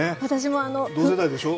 同世代でしょ？